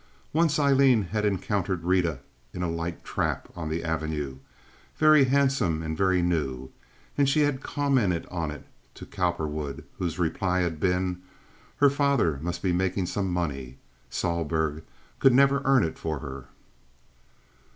Once Aileen had encountered Rita in a light trap on the Avenue, very handsome and very new, and she had commented on it to Cowperwood, whose reply had been: "Her father must be making some money. Sohlberg could never earn it for her."